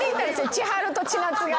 千春と千夏が。